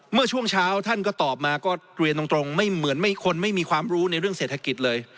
เมื่อช่วงเช้าท่านก็ตอบมาก็เรียนตรงไม่เหมือนคนไม่มีความรู้ในเรื่องเศรษฐกิจเลย